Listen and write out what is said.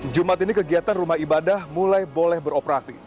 jumat ini kegiatan rumah ibadah mulai boleh beroperasi